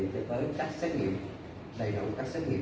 cho tới các xét nghiệm đầy đủ các xét nghiệm